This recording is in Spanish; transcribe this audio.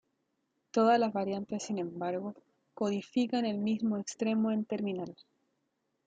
Todas las variantes, sin embargo, codifican el mismo extremo N-terminal.